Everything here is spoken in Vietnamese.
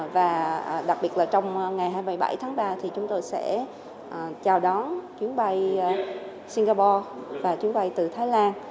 và đặc biệt là trong ngày hai mươi bảy tháng ba thì chúng tôi sẽ chào đón chuyến bay singapore và chuyến bay từ thái lan